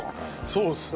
そうですね。